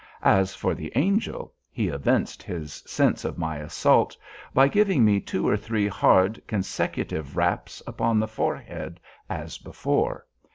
As for the Angel, he evinced his sense of my assault by giving me two or three hard, consecutive raps upon the forehead as before.